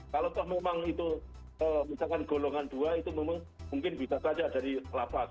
kalau memang itu misalkan golongan dua itu memang mungkin bisa saja dari lapas